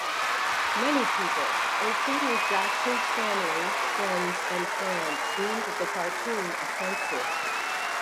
Many people, including Jackson's family, friends, and fans deemed the cartoon offensive.